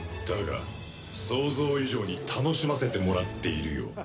だが想像以上に楽しませてもらっているよ。